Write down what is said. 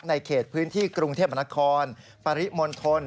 เขตพื้นที่กรุงเทพมนครปริมณฑล